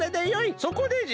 そこでじゃ。